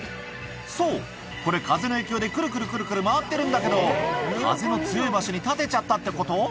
そうこれ風の影響でくるくるくるくる回ってるんだけど風の強い場所に建てちゃったってこと？